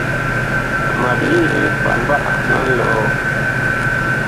Ma byee mbah a nlɔɔ.